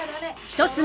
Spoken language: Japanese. １つ目。